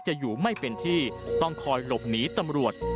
จะอยู่ไม่เป็นที่ต้องคอยหลบหนีตำรวจ